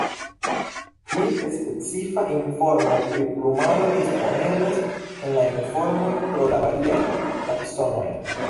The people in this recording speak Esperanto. Pli specifa informo pri plumaro disponeblas en la informoj pro la variaj taksonoj.